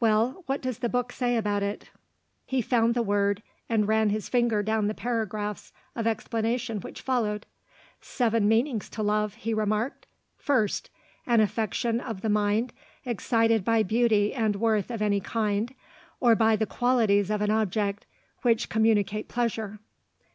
Well, what does the book say about it?" He found the word, and ran his finger down the paragraphs of explanation which followed. "Seven meanings to Love," he remarked. "First: An affection of the mind excited by beauty and worth of any kind, or by the qualities of an object which communicate pleasure.